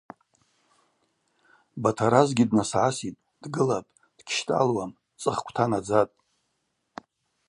Батаразгьи днасгӏаситӏ, дгылапӏ, дгьщтӏалуам, цӏыхквта надзатӏ.